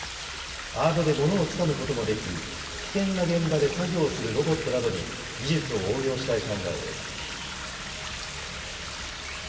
アームでものをつかむこともでき、危険な現場で作業するロボットなどに技術を応用したい考えです。